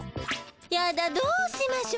やだどうしましょ。